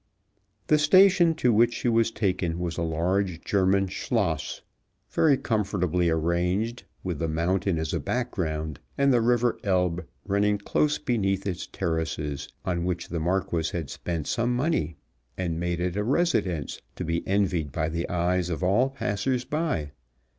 The station to which she was taken was a large German schloss, very comfortably arranged, with the mountain as a background and the River Elbe running close beneath its terraces, on which the Marquis had spent some money, and made it a residence to be envied by the eyes of all passers by.